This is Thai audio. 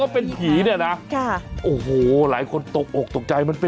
ผีแดงไหม